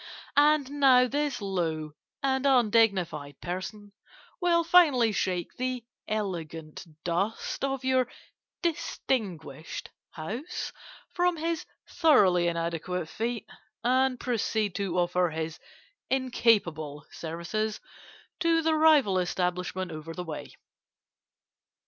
And now this low and undignified person will finally shake the elegant dust of your distinguished house from his thoroughly inadequate feet, and proceed to offer his incapable services to the rival establishment over the way.